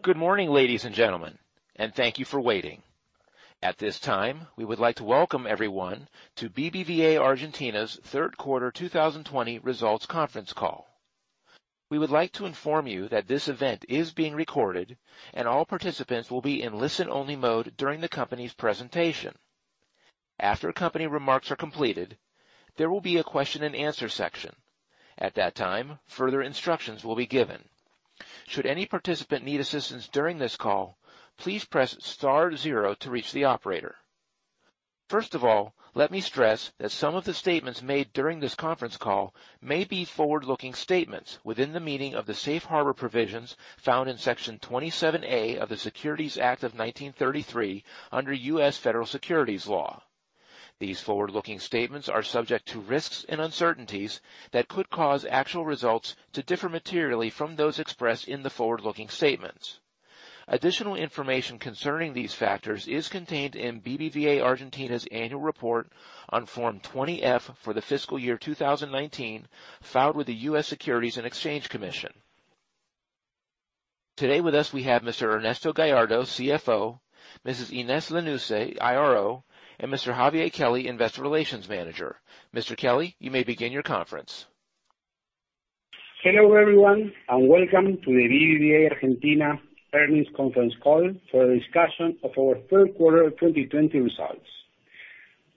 Good morning, ladies and gentlemen, and thank you for waiting. At this time, we would like to welcome everyone to BBVA Argentina's third quarter 2020 results conference call. We would like to inform you that this event is being recorded, and all participants will be in listen-only mode during the company's presentation. After company remarks are completed, there will be a question-and-answer section. At that time, further instructions will be given. Should any participant need assistance during this call, please press star zero to reach the operator. First of all, let me stress that some of the statements made during this conference call may be forward-looking statements within the meaning of the Safe Harbor provisions found in Section 27A of the Securities Act of 1933, under U.S. Federal Securities Law. These forward-looking statements are subject to risks and uncertainties that could cause actual results to differ materially from those expressed in the forward-looking statements. Additional information concerning these factors is contained in BBVA Argentina's annual report on Form 20-F for the fiscal year 2019, filed with the U.S. Securities and Exchange Commission. Today with us, we have Mr. Ernesto Gallardo, CFO, Mrs. Inés Lanusse, IRO, and Mr. Javier Kelly, Investor Relations Manager. Mr. Kelly, you may begin your conference. Hello, everyone, welcome to the BBVA Argentina earnings conference call for a discussion of our third quarter 2020 results.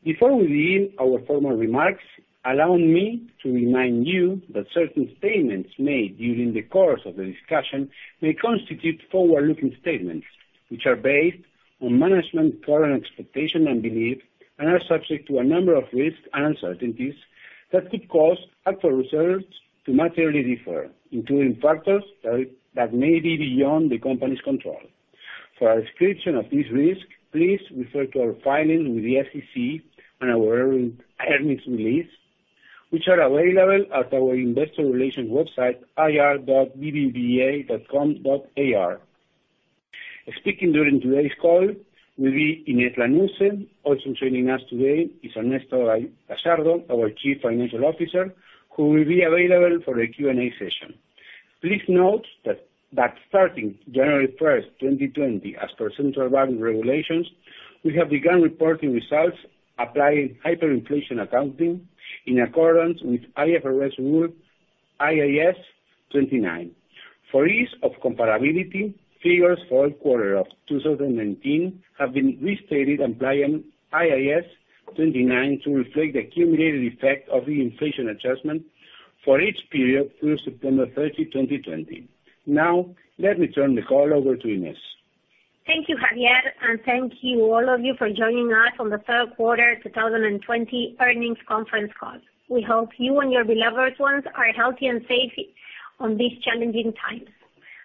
Before we begin our formal remarks, allow me to remind you that certain statements made during the course of the discussion may constitute forward-looking statements, which are based on management's current expectation and belief and are subject to a number of risks and uncertainties that could cause actual results to materially differ, including factors that may be beyond the company's control. For a description of these risks, please refer to our filings with the SEC and our earnings release, which are available at our investor relation website, ir.bbva.com.ar. Speaking during today's call will be Inés Lanusse. Also joining us today is Ernesto Gallardo, our Chief Financial Officer, who will be available for the Q&A session. Please note that starting January 1st, 2020, as per central banking regulations, we have begun reporting results applying hyperinflation accounting in accordance with IFRS rule IAS 29. For ease of comparability, figures for all quarter of 2019 have been restated applying IAS 29 to reflect the accumulated effect of the inflation adjustment for each period through September 30, 2020. Now, let me turn the call over to Inés. Thank you, Javier, and thank you all of you for joining us on the third quarter 2020 earnings conference call. We hope you and your beloved ones are healthy and safe on these challenging times.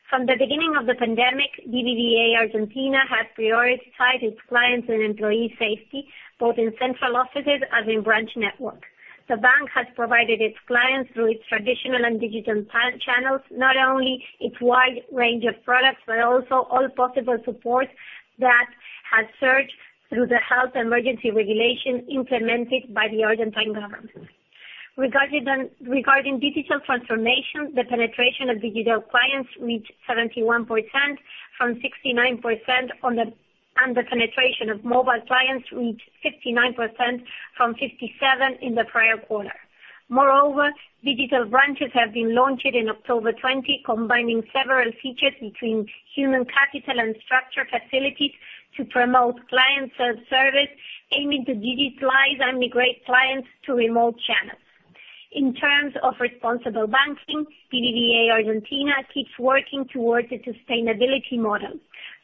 From the beginning of the pandemic, BBVA Argentina has prioritized its clients and employees safety, both in central offices and in branch network. The bank has provided its clients, through its traditional and digital channels, not only its wide range of products, but also all possible support that has surged through the health emergency regulation implemented by the Argentine government. Regarding digital transformation, the penetration of digital clients reached 71%, from 69%, and the penetration of mobile clients reached 59%, from 57% in the prior quarter. Moreover, digital branches have been launched in October 2020, combining several features between human capital and structure facilities to promote client self-service, aiming to digitalize and migrate clients to remote channels. In terms of responsible banking, BBVA Argentina keeps working towards a sustainability model,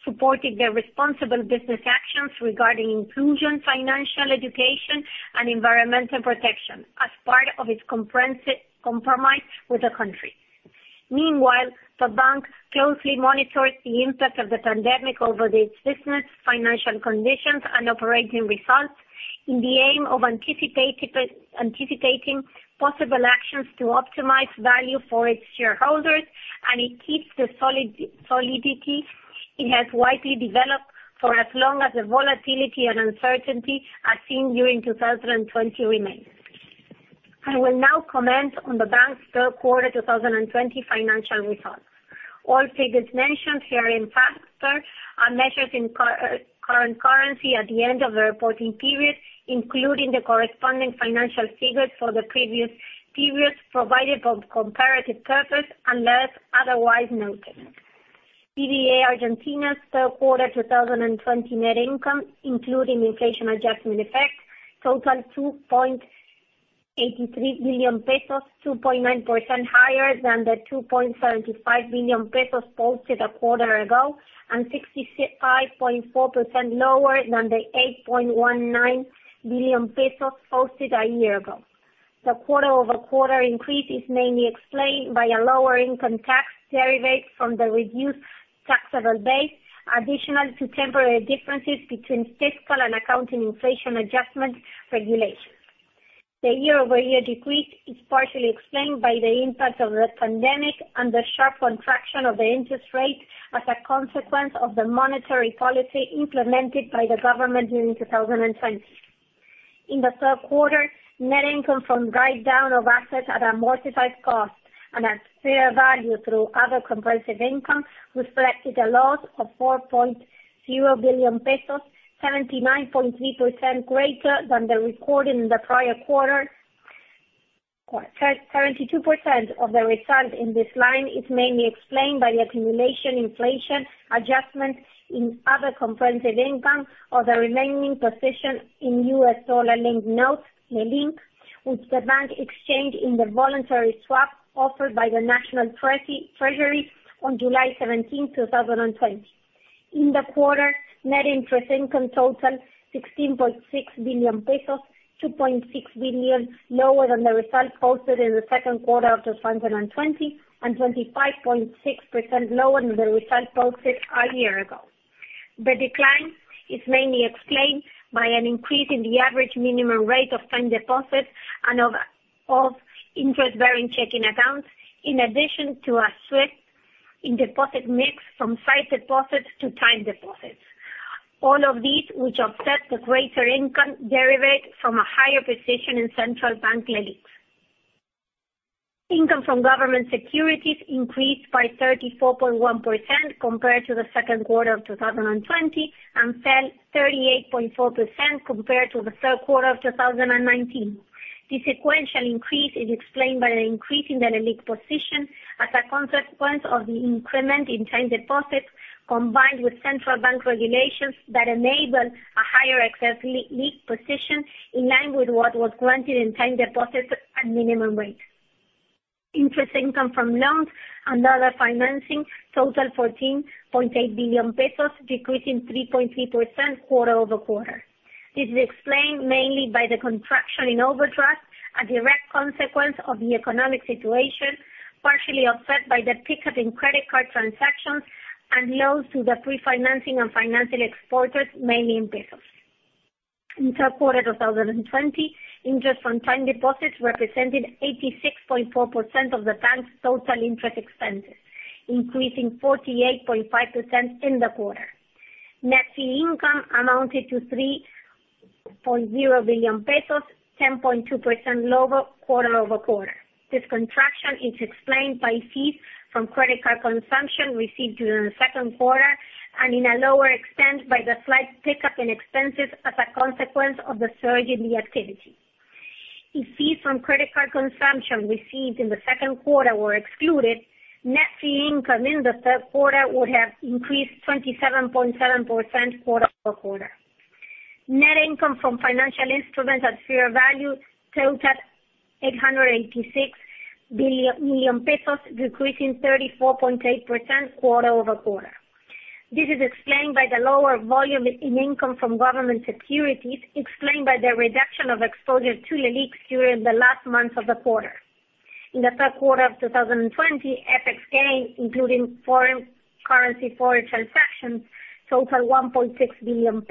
supporting the responsible business actions regarding inclusion, financial education, and environmental protection as part of its comprehensive compromise with the country. Meanwhile, the bank closely monitors the impact of the pandemic over its business financial conditions and operating results in the aim of anticipating possible actions to optimize value for its shareholders, and it keeps the solidity it has widely developed for as long as the volatility and uncertainty are seen during 2020 remain. I will now comment on the bank's third quarter 2020 financial results. All figures mentioned herein are measured in current currency at the end of the reporting period, including the corresponding financial figures for the previous periods provided for comparative purpose, unless otherwise noted. BBVA Argentina's third quarter 2020 net income, including inflation adjustment effects, totaled 2.83 billion pesos, 2.9% higher than the 2.75 billion pesos posted a quarter ago, and 65.4% lower than the 8.19 billion pesos posted a year ago. The quarter-over-quarter increase is mainly explained by a lower income tax derived from the reduced taxable base, additional to temporary differences between fiscal and accounting inflation adjustment regulations. The year-over-year decrease is partially explained by the impact of the pandemic and the sharp contraction of the interest rate as a consequence of the monetary policy implemented by the government during 2020. In the third quarter, net income from write-down of assets at amortized cost and at fair value through other comprehensive income reflected a loss of 4.0 billion pesos, 79.3% greater than the record in the prior quarter. 72% of the result in this line is mainly explained by the accumulation inflation adjustment in other comprehensive income of the remaining position in US dollar-linked notes (LELINK) which the bank exchanged in the voluntary swap offered by the National Treasury on July 17th, 2020. In the quarter, net interest income total 16.6 billion pesos, 2.6 billion lower than the result posted in the second quarter of 2020 and 25.6% lower than the result posted a year ago. The decline is mainly explained by an increase in the average minimum rate of time deposits and of interest-bearing checking accounts, in addition to a shift in deposit mix from sight deposits to time deposits. All of these which offset the greater income derived from a higher position in central bank LELIQs. Income from government securities increased by 34.1% compared to the second quarter of 2020, and fell 38.4% compared to the third quarter of 2019. The sequential increase is explained by an increase in the LELIQ position as a consequence of the increment in time deposits, combined with central bank regulations that enable a higher excess LELIQ position in line with what was granted in time deposits at minimum rate. Interest income from loans and other financing total 14.8 billion pesos, decreasing 3.3% quarter-over-quarter. This is explained mainly by the contraction in overdraft, a direct consequence of the economic situation, partially offset by the pickup in credit card transactions and loans to the pre-financing and financing exporters, mainly in pesos. In third quarter 2020, interest from time deposits represented 86.4% of the bank's total interest expenses, increasing 48.5% in the quarter. Net fee income amounted to 3.0 billion pesos, 10.2% lower quarter-over-quarter. This contraction is explained by fees from credit card consumption received during the second quarter, and in a lower extent, by the slight pickup in expenses as a consequence of the surge in the activity. If fees from credit card consumption received in the second quarter were excluded, net fee income in the third quarter would have increased 27.7% quarter-over-quarter. Net income from financial instruments at fair value totaled 886 million pesos, decreasing 34.8% quarter-over-quarter. This is explained by the lower volume in income from government securities, explained by the reduction of exposure to LELIQs during the last month of the quarter. In the third quarter of 2020, FX gain, including foreign currency forward transactions, totaled ARS 1.6 billion,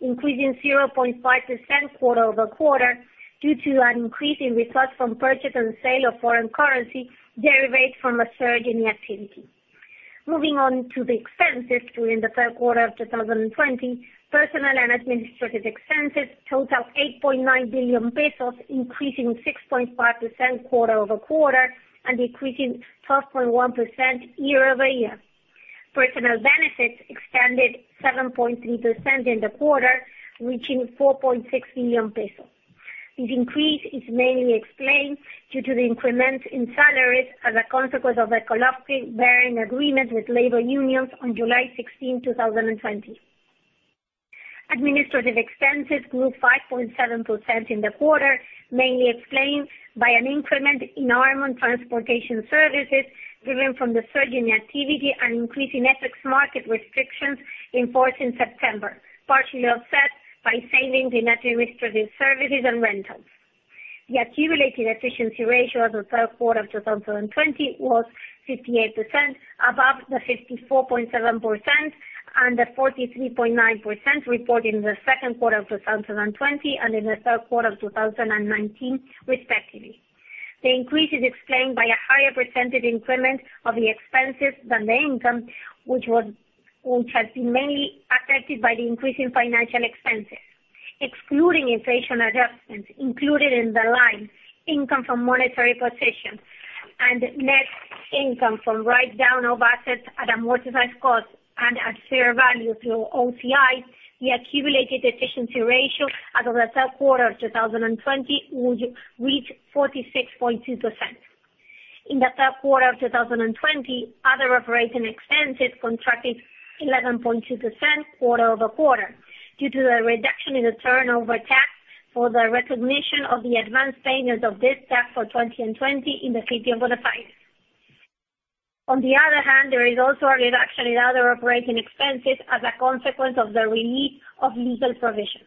increasing 0.5% quarter-over-quarter due to an increase in results from purchase and sale of foreign currency derived from a surge in the activity. Moving on to the expenses during the third quarter of 2020, personnel and administrative expenses totaled 8.9 billion pesos, increasing 6.5% quarter-over-quarter and decreasing 12.1% year-over-year. Personnel benefits expanded 7.3% in the quarter, reaching 4.6 billion pesos. This increase is mainly explained due to the increment in salaries as a consequence of a collective bargaining agreement with labor unions on July 16th, 2020. Administrative expenses grew 5.7% in the quarter, mainly explained by an increment in armored and transportation services driven from the surge in activity and increase in FX market restrictions in force in September, partially offset by savings in administrative services and rentals. The accumulated efficiency ratio as of third quarter of 2020 was 58%, above the 54.7% and the 43.9% reported in the second quarter of 2020 and in the third quarter of 2019, respectively. The increase is explained by a higher percentage increment of the expenses than the income, which has been mainly affected by the increase in financial expenses. Excluding inflation adjustments included in the line income from monetary positions and net income from write-down of assets at amortized cost and at fair value through OCI, the accumulated efficiency ratio as of the third quarter of 2020 would reach 46.2%. In the third quarter of 2020, other operating expenses contracted 11.2% quarter-over-quarter due to the reduction in the turnover tax for the recognition of the advanced payments of this tax for 2020 in the city of Buenos Aires. On the other hand, there is also a reduction in other operating expenses as a consequence of the relief of legal provisions.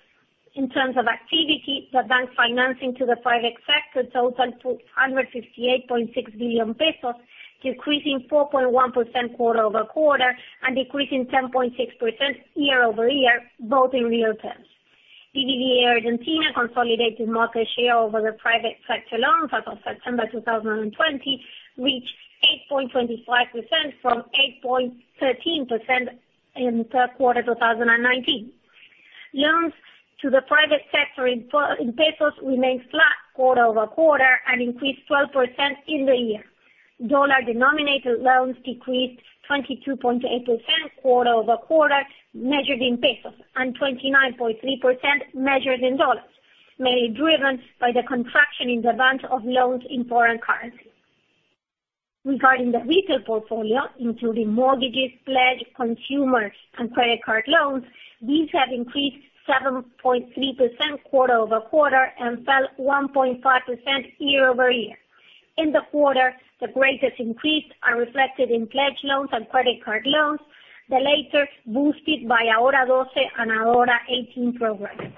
In terms of activity, the bank financing to the private sector totaled 258.6 billion pesos, decreasing 4.1% quarter-over-quarter and decreasing 10.6% year-over-year, both in real terms. BBVA Argentina consolidated market share over the private sector loans as of September 2020 reached 8.25% from 8.13% in third quarter 2019. Loans to the private sector in pesos remained flat quarter-over-quarter and increased 12% in the year. Dollar-denominated loans decreased 22.8% quarter-over-quarter measured in pesos and 29.3% measured in dollars, mainly driven by the contraction in the balance of loans in foreign currency. Regarding the retail portfolio, including mortgages, pledge, consumer, and credit card loans, these have increased 7.3% quarter-over-quarter and fell 1.5% year-over-year. In the quarter, the greatest increase are reflected in pledge loans and credit card loans, the latter boosted by Ahora 12 and Ahora 18 programs.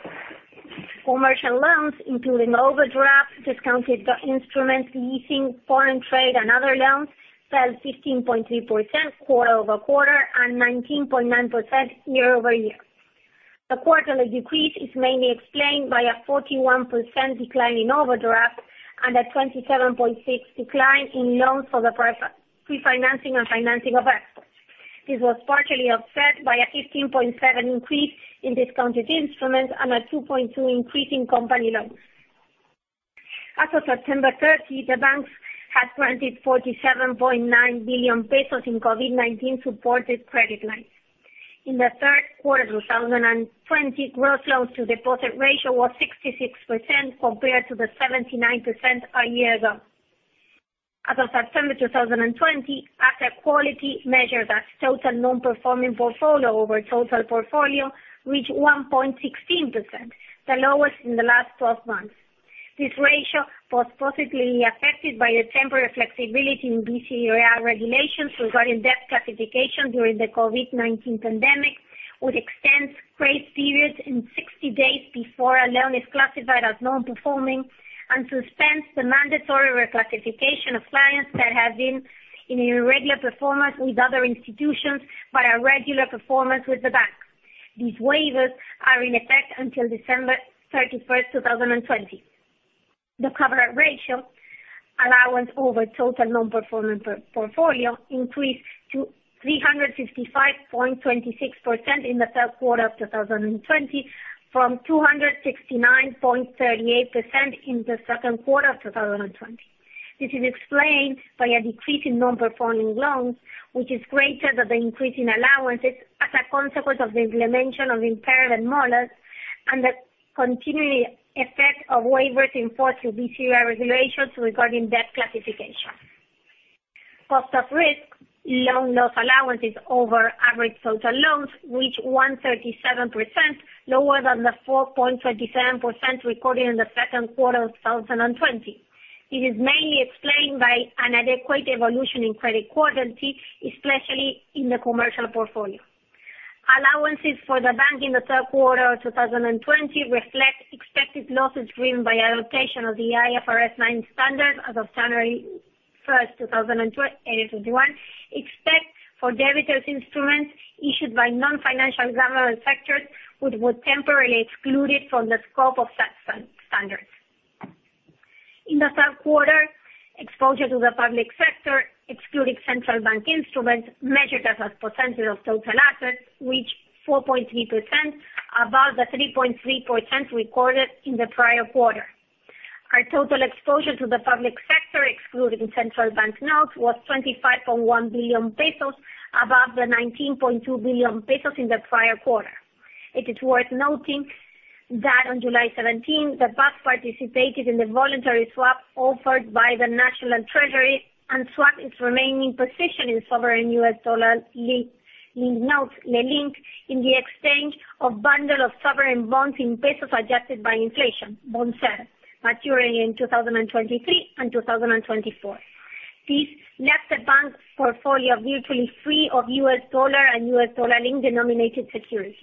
Commercial loans, including overdraft, discounted instruments, leasing, foreign trade, and other loans, fell 15.3% quarter-over-quarter and 19.9% year-over-year. The quarterly decrease is mainly explained by a 41% decline in overdrafts and a 27.6% decline in loans for the pre-financing and financing of exports. This was partially offset by a 15.7% increase in discounted instruments and a 2.2% increase in company loans. As of September 30, the banks had granted 47.9 billion pesos in COVID-19 supported credit lines. In the third quarter of 2020, gross loans to deposit ratio was 66%, compared to the 79% a year ago. As of September 2020, asset quality measured as total non-performing portfolio over total portfolio, reached 1.16%, the lowest in the last 12 months. This ratio was positively affected by the temporary flexibility in BCRA regulations regarding debt classification during the COVID-19 pandemic, which extends grace periods in 60 days before a loan is classified as non-performing, and suspends the mandatory reclassification of clients that have been in irregular performance with other institutions but are regular performance with the bank. These waivers are in effect until December 31st, 2020. The coverage ratio (allowance / total non-performing portfolio) increased to 355.26% in the third quarter of 2020 from 269.38% in the second quarter of 2020. This is explained by a decrease in non-performing loans, which is greater than the increase in allowances as a consequence of the implementation of the impairment model and the continuing effect of waivers in force to BCRA regulations regarding debt classification. Cost of risk (loan loss allowances / average total loans) reached 1.37%, lower than the 4.27% recorded in the second quarter of 2020. It is mainly explained by an adequate evolution in credit quality, especially in the commercial portfolio. Allowances for the bank in the third quarter of 2020 reflect expected losses driven by allocation of the IFRS 9 standard as of January 1st, 2020, except for debtor's instruments issued by non-financial general sectors, which were temporarily excluded from the scope of that standard. In the third quarter, exposure to the public sector, excluding central bank instruments, measured as a percentage of total assets, reached 4.3%, above the 3.3% recorded in the prior quarter. Our total exposure to the public sector, excluding central bank notes, was 25.1 billion pesos, above the 19.2 billion pesos in the prior quarter. It is worth noting that on July 17, the bank participated in the voluntary swap offered by the National Treasury and swapped its remaining position in sovereign US dollar-linked notes (LELINK) in the exchange of bundle of sovereign bonds in pesos adjusted by inflation (BONCER) maturing in 2023 and 2024. This left the bank's portfolio virtually free of US dollar and US dollar-linked denominated securities.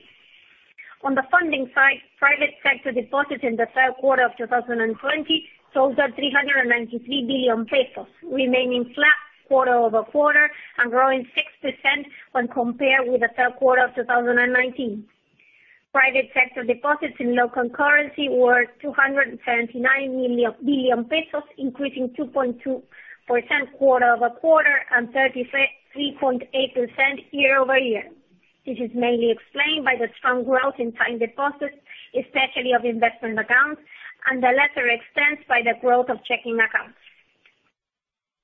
On the funding side, private sector deposits in the third quarter of 2020 totaled 393 billion pesos, remaining flat quarter-over-quarter and growing 6% when compared with the third quarter of 2019. Private sector deposits in local currency were 279 billion pesos, increasing 2.2% quarter-over-quarter and 33.8% year-over-year. This is mainly explained by the strong growth in time deposits, especially of investment accounts. The latter extends by the growth of checking accounts.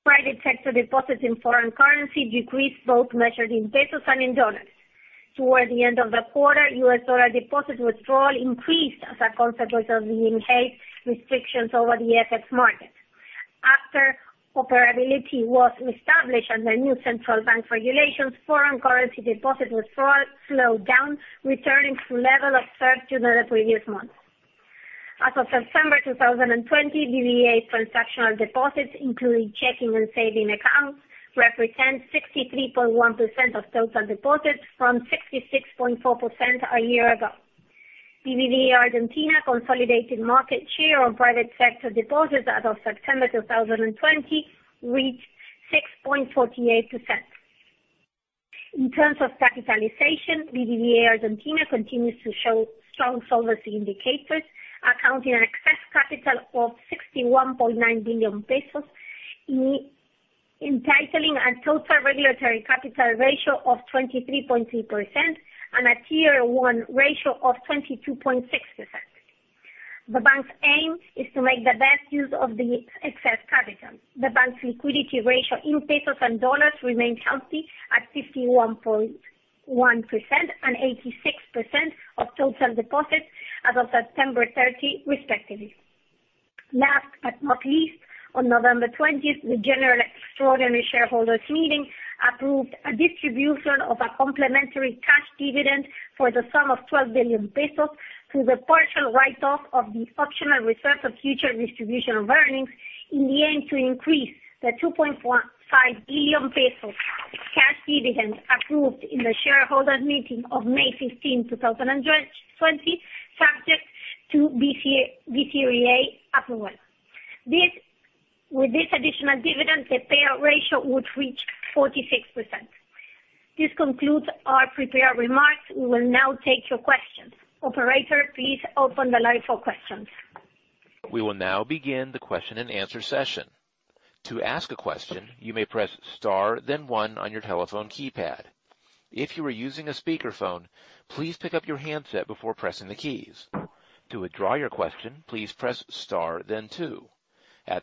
Private sector deposits in foreign currency decreased, both measured in pesos and in dollars. Towards the end of the quarter, US dollar deposit withdrawal increased as a consequence of the enhanced restrictions over the FX market. After operability was reestablished under new central bank regulations, foreign currency deposit withdrawal slowed down, returning to level observed during the previous months. As of September 2020, BBVA transactional deposits, including checking and saving accounts, represent 63.1% of total deposits from 66.4% a year ago. BBVA Argentina consolidated market share of private sector deposits as of September 2020 reached 6.48%. In terms of capitalization, BBVA Argentina continues to show strong solvency indicators, accounting an excess capital of 61.9 billion pesos, entitling a total regulatory capital ratio of 23.2% and a Tier 1 ratio of 22.6%. The bank's aim is to make the best use of the excess capital. The bank's liquidity ratio in pesos and dollars remains healthy at 51.1% and 86% of total deposits as of September 30, respectively. Last but not least, on November 20th, the general extraordinary shareholders meeting approved a distribution of a complimentary cash dividend for the sum of 12 billion pesos through the partial write-off of the optional reserve of future distribution of earnings, in the end, to increase the 2.5 billion pesos cash dividend approved in the shareholders meeting of May 15, 2020, subject to BCRA approval. With this additional dividend, the payout ratio would reach 46%. This concludes our prepared remarks. We will now take your questions. Operator, please open the line for questions. We will now begin the question-and-answer session. At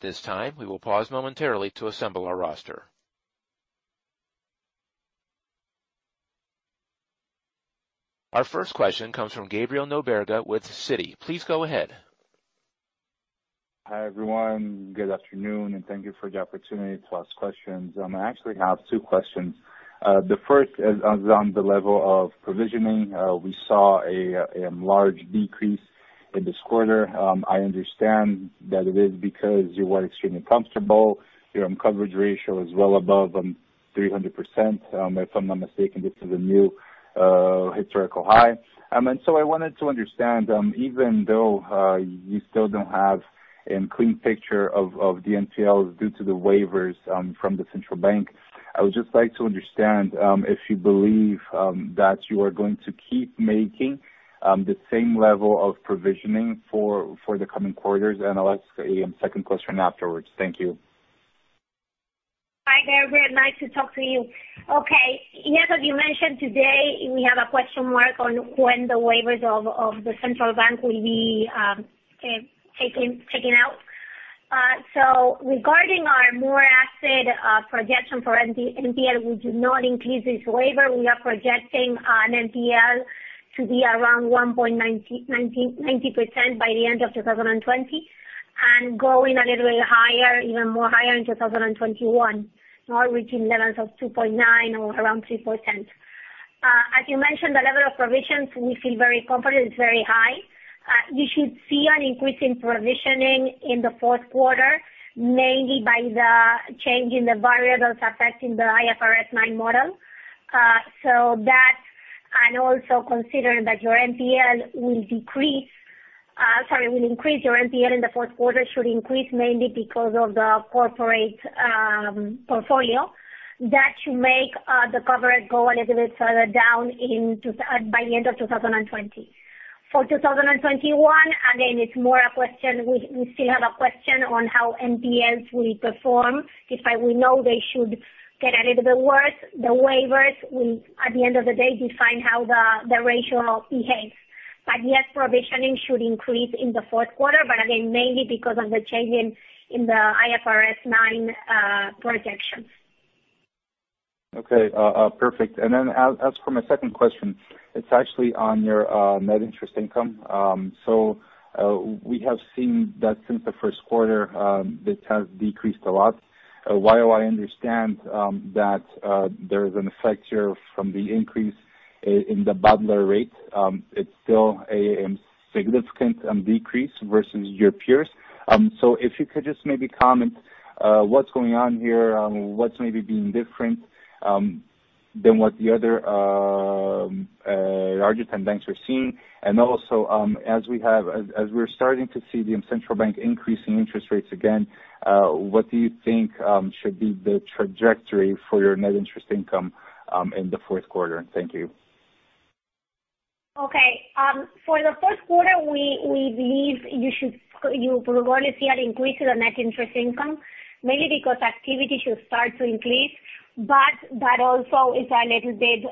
this time, we will pause momentarily to assemble our roster. Our first question comes from Gabriel da Nóbrega with Citi. Please go ahead. Hi, everyone. Good afternoon. Thank you for the opportunity to ask questions. I actually have two questions. The first is on the level of provisioning. We saw a large decrease in this quarter. I understand that it is because you are extremely comfortable. Your coverage ratio is well above 300%, if I'm not mistaken, this is a new historical high. I wanted to understand, even though you still don't have a clean picture of the NPLs due to the waivers from the central bank, I would just like to understand if you believe that you are going to keep making the same level of provisioning for the coming quarters. I'll ask a second question afterwards. Thank you. Hi, Gabriel. Nice to talk to you. Okay. Yes, as you mentioned today, we have a question mark on when the waivers of the central bank will be taken out. Regarding our more acid projection for NPL, we do not increase this waiver. We are projecting an NPL to be around 1.90% by the end of 2020 and going a little bit higher, even more higher in 2021, now reaching levels of 2.9% or around 3%. As you mentioned, the level of provisions, we feel very confident, it's very high. You should see an increase in provisioning in the fourth quarter, mainly by the change in the variables affecting the IFRS 9 model. Also consider that your NPL will increase. Your NPL in the fourth quarter should increase mainly because of the corporate portfolio. That should make the coverage go a little bit further down by the end of 2020. For 2021, again, we still have a question on how NPLs will perform, despite we know they should get a little bit worse. The waivers will, at the end of the day, define how the ratio behaves. Yes, provisioning should increase in the fourth quarter, but again, mainly because of the change in the IFRS 9 projections. Okay, perfect. Then I'll ask for my second question. It's actually on your net interest income. We have seen that since the first quarter, this has decreased a lot. While I understand that there is an effect here from the increase in the BADLAR rate, it's still a significant decrease versus your peers. If you could just maybe comment what's going on here, what's maybe being different than what the other larger 10 banks are seeing. Also, as we're starting to see the central bank increasing interest rates again, what do you think should be the trajectory for your net interest income in the fourth quarter? Thank you. Okay. For the first quarter, we believe you will really see an increase in the net interest income, mainly because activity should start to increase. That also is a little bit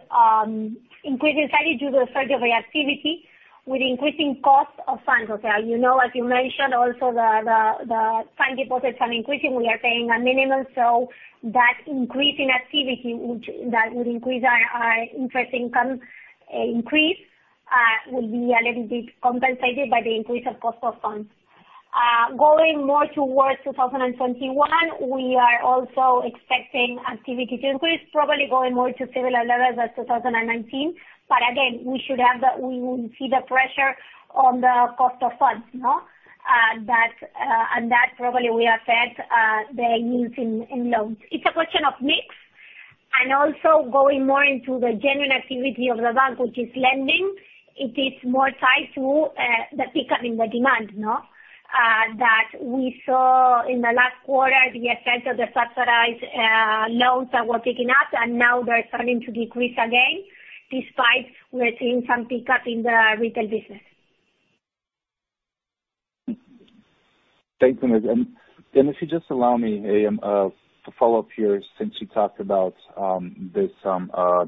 increasing. Sorry, due to the surge of activity with increasing cost of funds. As you mentioned, also the fund deposits are increasing. We are paying a minimum. That increase in activity, that would increase our interest income, will be a little bit compensated by the increase of cost of funds. Going more towards 2021, we are also expecting activity to increase, probably going more to similar levels as 2019. Again, we will see the pressure on the cost of funds. That probably will affect the yields in loans. It's a question of mix, also going more into the general activity of the bank, which is lending. It is more tied to the pickup in the demand that we saw in the last quarter, the effect of the subsidized loans that were picking up, now they're starting to decrease again, despite we are seeing some pickup in the retail business. Thanks, Inés. If you just allow me, to follow up here, since you talked about this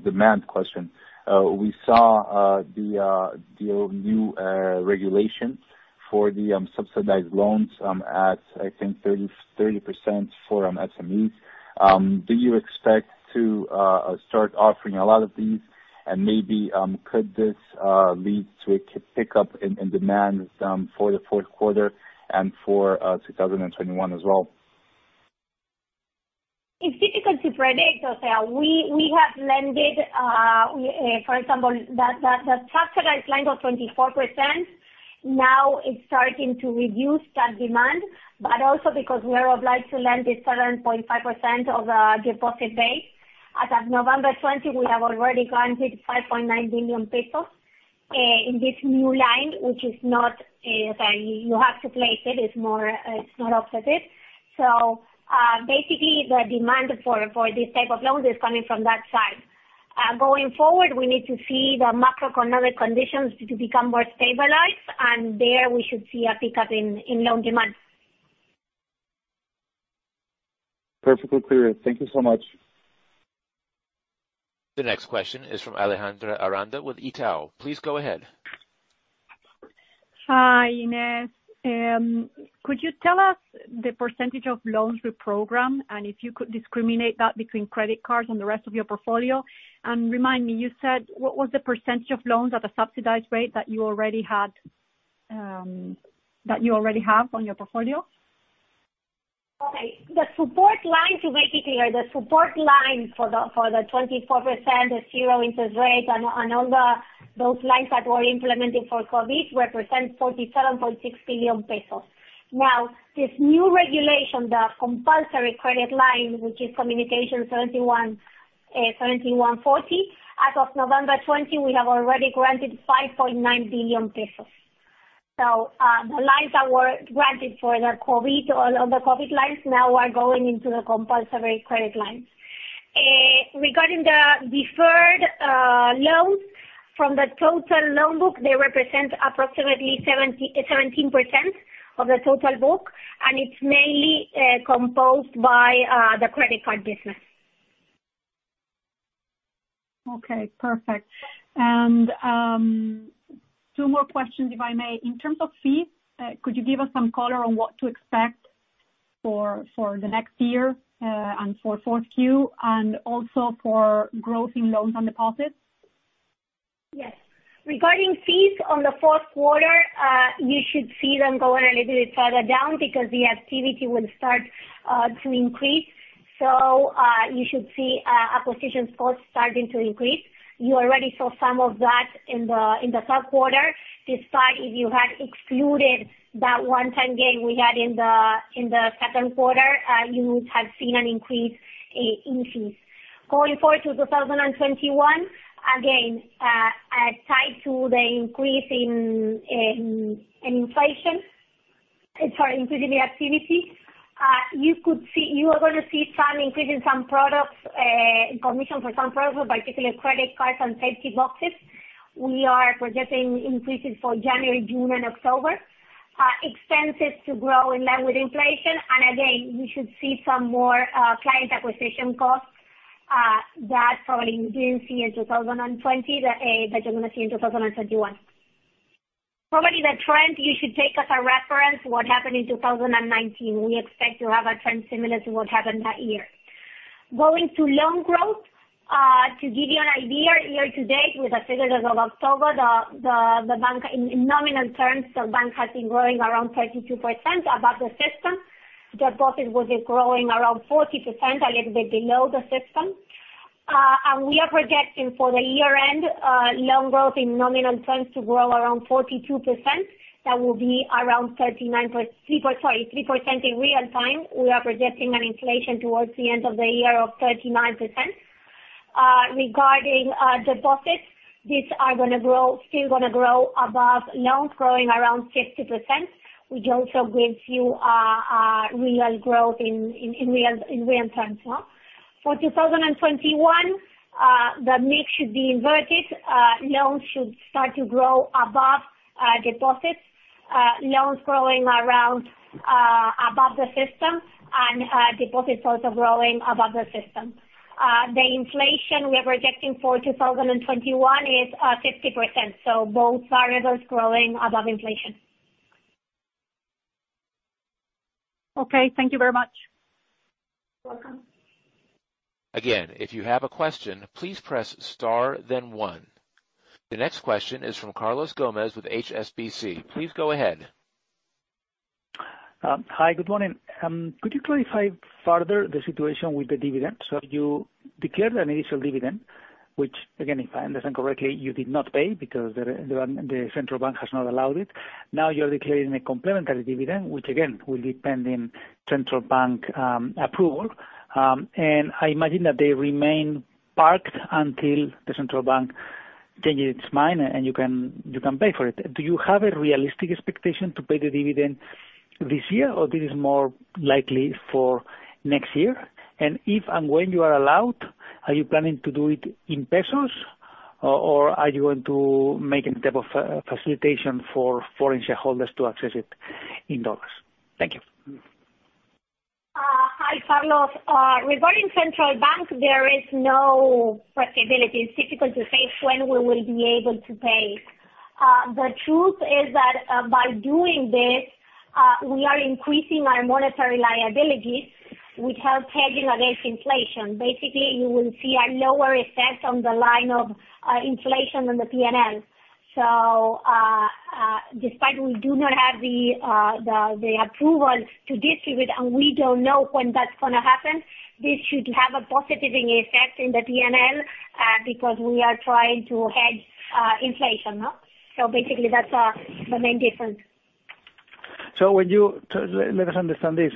demand question. We saw the new regulation for the subsidized loans at, I think, 30% for SMEs. Do you expect to start offering a lot of these, and maybe could this lead to a pickup in demand for the fourth quarter and for 2021 as well? It's difficult to predict, Gabriel. We have lended, for example, the subsidized line of 24%, now it's starting to reduce that demand. Also because we are obliged to lend this 7.5% of the deposit base. As of November 20, we have already granted 5.9 billion pesos in this new line, which is not, you have to place it's not offset it. Basically, the demand for this type of loans is coming from that side. Going forward, we need to see the macroeconomic conditions to become more stabilized. There we should see a pickup in loan demand. Perfectly clear. Thank you so much. The next question is from Alejandra Aranda with Itaú. Please go ahead. Hi, Inés. Could you tell us the percentage of loans reprogram, and if you could discriminate that between credit cards and the rest of your portfolio? Remind me, you said, what was the percentage of loans at the subsidized rate that you already have on your portfolio? Okay. To make it clear, the support line for the 24%, the zero interest rate and all those lines that were implemented for COVID represent 47.6 billion pesos. This new regulation, the compulsory credit line, which is Communication 7140, as of November 20, we have already granted 5.9 billion pesos. The lines that were granted for the COVID, on the COVID lines, now are going into the compulsory credit lines. Regarding the deferred loans from the total loan book, they represent approximately 17% of the total book, and it's mainly composed by the credit card business. Okay, perfect. Two more questions, if I may. In terms of fees, could you give us some color on what to expect for the next year, and for4Q, and also for growth in loans on deposits? Yes. Regarding fees on the fourth quarter, you should see them going a little bit further down because the activity will start to increase. You should see acquisitions costs starting to increase. You already saw some of that in the third quarter, despite if you had excluded that one-time gain we had in the second quarter, you would have seen an increase in fees. Going forward to 2021, again, tied to the increase in inflation, sorry, increase in the activity, you are going to see some increase in some products, commission for some products, particularly credit cards and safety boxes. We are projecting increases for January, June, and October. Expenses to grow in line with inflation. Again, we should see some more client acquisition costs that probably you didn't see in 2020, that you're going to see in 2021. Probably the trend you should take as a reference what happened in 2019. We expect to have a trend similar to what happened that year. Going to loan growth, to give you an idea, year to date with the figures as of October, the bank in nominal terms, the bank has been growing around 32% above the system. Deposits was growing around 40%, a little bit below the system. We are projecting for the year-end, loan growth in nominal terms to grow around 42%. That will be around 3% in real time. We are projecting an inflation towards the end of the year of 39%. Regarding deposits, these are still going to grow above loans, growing around 50%, which also gives you real growth in real terms. For 2021, the mix should be inverted. Loans should start to grow above deposits. Loans growing above the system and deposits also growing above the system. The inflation we are projecting for 2021 is 50%. Both variables growing above inflation. Okay. Thank you very much. Welcome. Again, if you have a question, please press star then one. The next question is from Carlos Gomez with HSBC. Please go ahead. Hi, good morning. Could you clarify further the situation with the dividend? You declared an initial dividend, which again, if I understand correctly, you did not pay because the Central Bank has not allowed it. Now you're declaring a complimentary dividend, which again, will depend on Central Bank approval. I imagine that they remain parked until the Central Bank changing its mind and you can pay for it. Do you have a realistic expectation to pay the dividend this year, or this is more likely for next year? If and when you are allowed, are you planning to do it in pesos or are you going to make any type of facilitation for foreign shareholders to access it in dollars? Hi, Carlos. Regarding Central Bank, there is no predictability. It's difficult to say when we will be able to pay. The truth is that by doing this, we are increasing our monetary liabilities, which help hedge against inflation. Basically, you will see a lower effect on the line of inflation on the P&L. Despite we do not have the approval to distribute, and we don't know when that's going to happen, this should have a positive effect on the P&L, because we are trying to hedge inflation. Basically, that's the main difference. Let us understand this.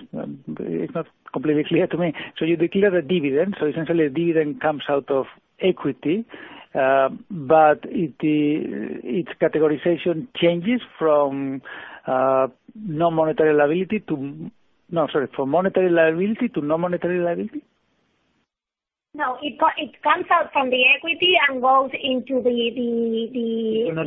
It's not completely clear to me. You declare the dividend, so essentially the dividend comes out of equity, but its categorization changes from monetary liability to non-monetary liability? No. It comes out from the equity and goes into the liability. A new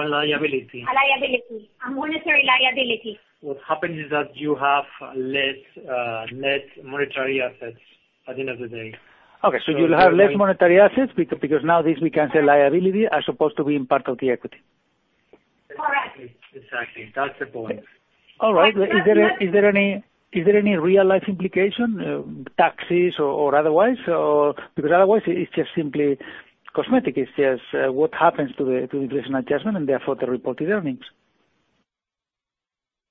liability. A liability. A monetary liability. What happens is that you have less net monetary assets at the end of the day. Okay, you'll have less monetary assets because now this becomes a liability as opposed to being part of the equity. Correct. Exactly. That's the point. All right. Is there any real-life implication, taxes or otherwise? Because otherwise, it's just simply cosmetic. It's just what happens to the inflation adjustment and therefore the reported earnings.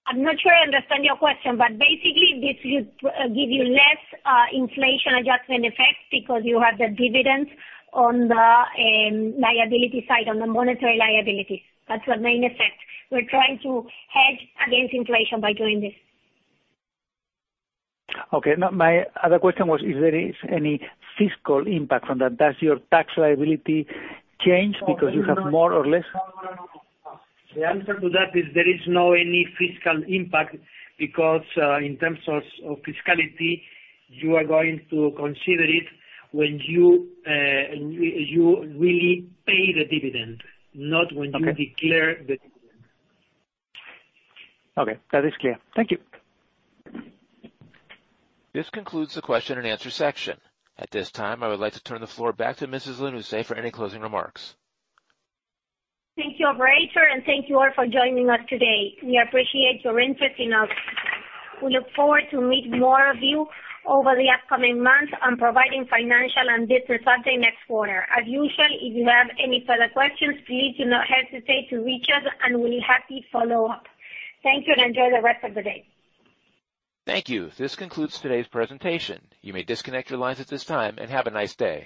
I'm not sure I understand your question. Basically, this would give you less inflation adjustment effect because you have the dividends on the liability side, on the monetary liability. That's the main effect. We're trying to hedge against inflation by doing this. Okay. Now, my other question was if there is any fiscal impact from that. Does your tax liability change because you have more or less? The answer to that is there is not any fiscal impact because, in terms of fiscality, you are going to consider it when you really pay the dividend, not when you declare the dividend. Okay. That is clear. Thank you. This concludes the question-and-answer section. At this time, I would like to turn the floor back to Mrs. Lanusse for any closing remarks. Thank you, operator, and thank you all for joining us today. We appreciate your interest in us. We look forward to meet more of you over the upcoming months and providing financial and business update next quarter. As usual, if you have any further questions, please do not hesitate to reach us, and we'll happily follow up. Thank you, and enjoy the rest of the day. Thank you. This concludes today's presentation. You may disconnect your lines at this time, and have a nice day.